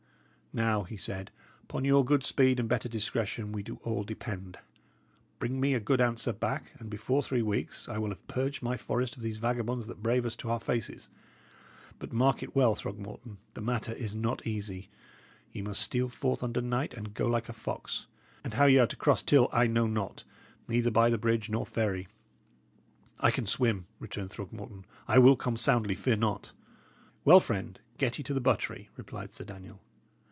"Now," he said, "upon your good speed and better discretion we do all depend. Bring me a good answer back, and before three weeks, I will have purged my forest of these vagabonds that brave us to our faces. But mark it well, Throgmorton: the matter is not easy. Ye must steal forth under night, and go like a fox; and how ye are to cross Till I know not, neither by the bridge nor ferry." "I can swim," returned Throgmorton. "I will come soundly, fear not." "Well, friend, get ye to the buttery," replied Sir Daniel.